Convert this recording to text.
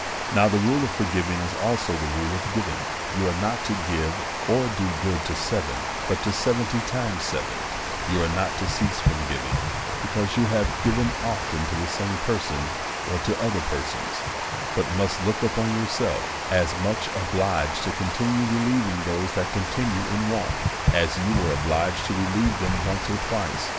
Now, the rule of forgiving is also the rule of giv ing ; you are not to give or do good to seven^ but to seventy times seven ; you are not to cease from giv ing, because you have given often to the same person or to other persons^ but must look upon yourself as much obliged to continue relieving those that continue in wants as you was obliged to relieve them once or twice.